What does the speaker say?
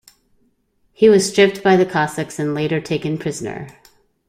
He was stripped by the Cossacks and later taken prisoner.